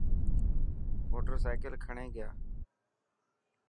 موٽر سائيڪل کڻي گيا.